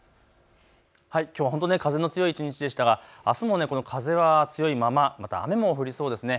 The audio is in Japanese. きょうは本当に風の強い一日でしたが、あすもこの風が強いまま、また雨も降りそうですね。